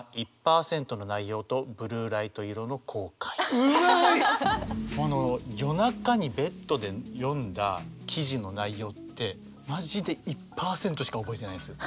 この夜中にベッドで読んだ記事の内容ってマジで１％しか覚えてないです。